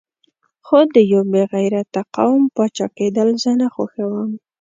خو د یو بې غیرته قوم پاچا کېدل زه نه خوښوم.